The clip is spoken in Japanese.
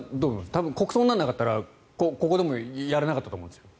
多分国葬にならなかったらここでもやらないと思うんですけど。